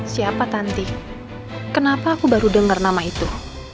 siapa tanti kenapa aku baru dengar nama itu